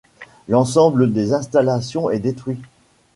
L'ensemble des installations est détruit.